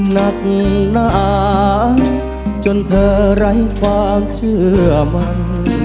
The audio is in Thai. หนักนานจนเธอไร้ความเชื่อมัน